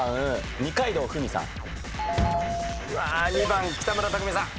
２番北村匠海さん。